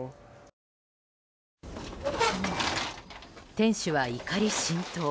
店主は怒り心頭。